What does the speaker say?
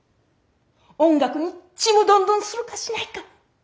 音楽にちむどんどんするかしないか。